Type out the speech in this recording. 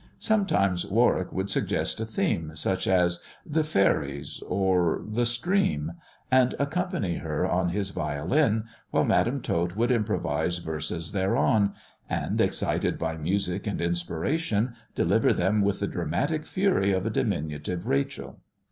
Sometimes Warwick would suggest a theme, such as " The Faeries," or "The Stream," and accompany her on his violin, while Madam Tot would improvise verses thereon, and, excited by music and inspiration, deliver them with the dramatic fury of a diminutive Rachel.